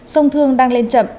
sông thương đang lên chậm